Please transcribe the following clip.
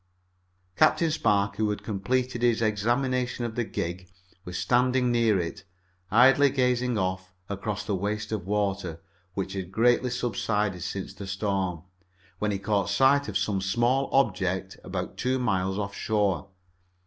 Captain Spark, who had completed his examination of the gig, was standing near it, idly gazing off across the waste of water, which had greatly subsided since the storm, when he caught sight of some small object about two miles off shore.